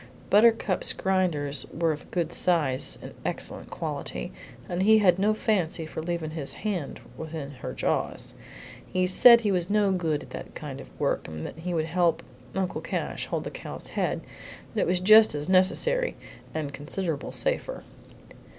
Buttercup's grinders were of good size and excellent quality, and he had no fancy for leaving his hand within her jaws. He said he was no good at that kind of work, but that he would help Uncle Cash hold the cow's head; that was just as necessary, and considerable safer.